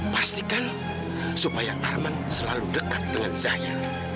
pastikan supaya arman selalu dekat dengan saya